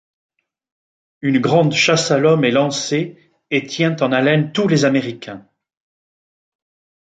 Une grande chasse à l'homme est lancée et tient en haleine tous les Américains.